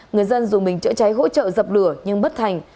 người dân dùng bình chữa cháy hỗ trợ dập lửa nhưng bất thành